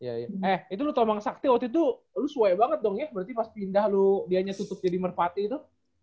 iya iya eh itu lu tolong bang sakti waktu itu lu suai banget dong ya berarti pas pindah lu dia nyetutup jadi merpati tuh